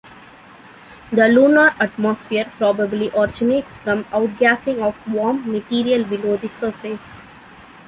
The lunar atmosphere probably originates from outgassing of warm material below the surface.